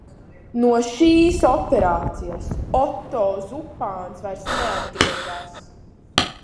No šīs operācijas Otto Zupāns vairs neatgriezās.